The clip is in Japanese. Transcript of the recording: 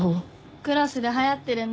クラスで流行ってるんだ。